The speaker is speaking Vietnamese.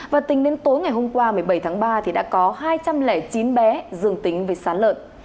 và tính đến tối ngày hôm qua một mươi bảy tháng ba thì đã có hai trăm linh chín bé dương tính với sán lợn